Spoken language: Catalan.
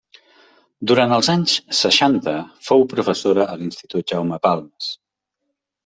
Durant els anys seixanta fou professora a l'Institut Jaume Balmes.